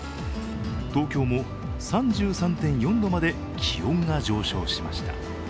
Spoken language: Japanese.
東京も３３．４度まで気温が上昇しました。